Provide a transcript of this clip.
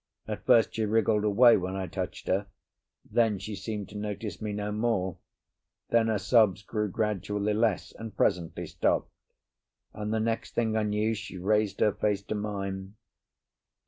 At first she wriggled away when I touched her; then she seemed to notice me no more; then her sobs grew gradually less, and presently stopped; and the next thing I knew, she raised her face to mime.